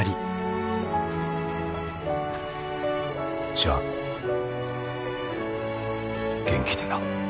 じゃあ元気でな。